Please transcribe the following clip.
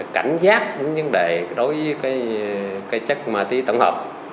cảnh giác những vấn đề đối với chất ma túy tổng hợp